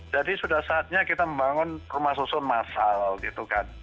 jadi sudah saatnya kita membangun rumah susun masal gitu kan